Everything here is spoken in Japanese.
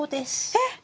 えっ！